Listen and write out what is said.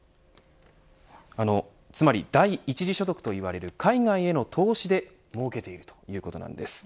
つまり第１次所得といわれる海外への投資でもうけているということなんです。